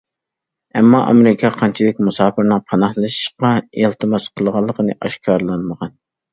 ئەمما ئامېرىكا قانچىلىك مۇساپىرنىڭ پاناھلىنىشقا ئىلتىماس قىلغانلىقىنى ئاشكارىلانمىغان.